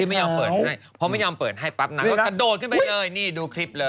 ไม่ยอมเปิดให้เพราะไม่ยอมเปิดให้ปั๊บนางก็กระโดดขึ้นไปเลยนี่ดูคลิปเลย